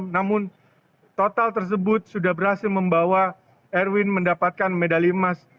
namun total tersebut sudah berhasil membawa erwin mendapatkan medali emas